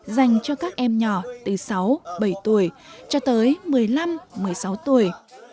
dành cho các em nhỏ từ sáu bảy tuổi cho tới một mươi năm một mươi sáu tuổi